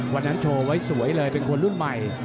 วันนั้นโชว์ไว้สวยเลยเป็นคนรุ่นใหม่